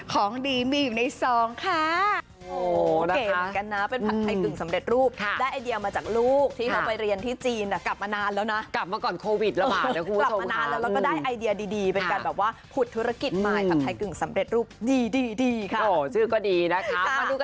ของดีมีอยู่ในซองค่ะ